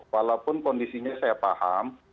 walaupun kondisinya saya paham